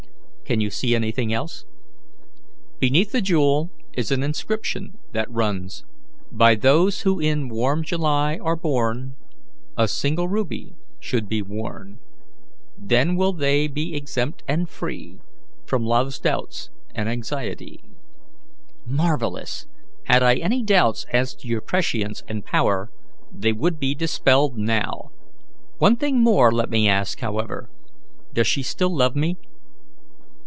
"Can you see anything else?" "Beneath the jewel is an inscription that runs: 'By those who in warm July are born A single ruby should be worn; Then will they be exempt and free From love's doubts and anxiety.'" "Marvellous! Had I any doubts as to your prescience and power, they would be dispelled now. One thing more let me ask, however: Does she still love me?"